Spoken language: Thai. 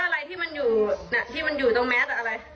แล้วอะไรที่มันอยู่ตรงแมส